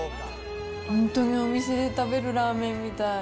本当にお店で食べるラーメンみたい。